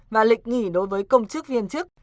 và lịch nghỉ đối với công chức viên chức